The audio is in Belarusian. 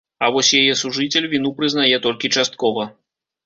А вось яе сужыцель віну прызнае толькі часткова.